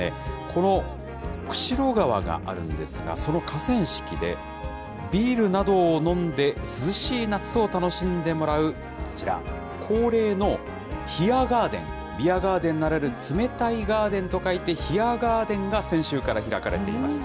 この釧路川があるんですが、その河川敷で、ビールなどを飲んで涼しい夏を楽しんでもらうこちら、恒例のヒアガーデン、ビアガーデンならぬ冷たいガーデンと書いてヒアガーデンが、先週から開かれています。